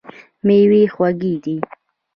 میوې خوږې دي.